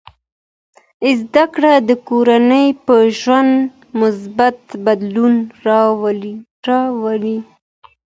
زده کړه د کورنۍ په ژوند مثبت بدلون راولي.